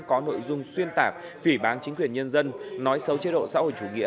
có nội dung xuyên tạp phỉ bán chính quyền nhân dân nói xấu chế độ xã hội chủ nghĩa